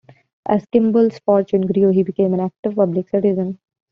As Kimball's fortune grew, he became an active public citizen.